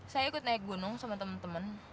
saya ikut naik gunung sama temen temen